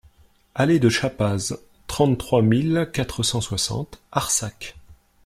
Allée de Chappaz, trente-trois mille quatre cent soixante Arsac